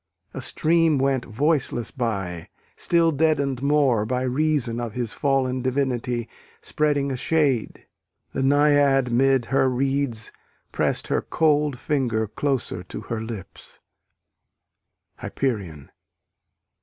A stream went voiceless by, still deadened more By reason of his fallen divinity Spreading a shade: the Naiad 'mid her reeds Press'd her cold finger closer to her lips. _Hyperion.